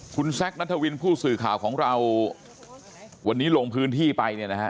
คุณแซคนัทวินผู้สื่อข่าวของเราวันนี้ลงพื้นที่ไปเนี่ยนะฮะ